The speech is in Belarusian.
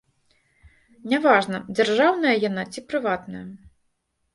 Не важна, дзяржаўная яна ці прыватная.